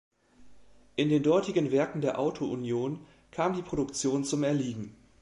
In den dortigen Werken der Auto Union kam die Produktion zum Erliegen.